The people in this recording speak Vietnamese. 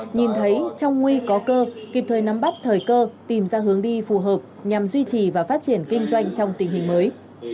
nhìn thấy trong nguy có cơ kịp thời nắm bắt thời cơ tìm ra hướng đi phù hợp nhằm duy trì và phát triển kinh doanh trong tình hình mới